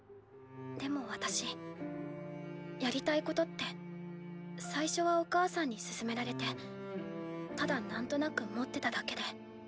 でも私やりたいことって最初はお母さんに勧められてただなんとなく持ってただけで。